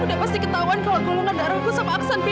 udah pasti ketahuan kalau golongan darahku sama aksan beda